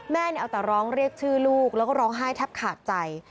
แม่เอาแต่ร้องเรียกชื่อลูกแล้วก็ร้องไห้แทบขาดใจ